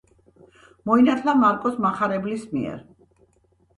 მოინათლა მარკოზ მახარებლის მიერ.